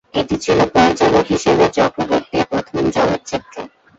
এটি ছিল পরিচালক হিসাবে চক্রবর্তীর প্রথম চলচ্চিত্র।